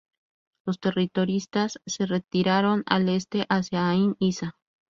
Los terroristas se retiraron al este, hacia Ayn Issa.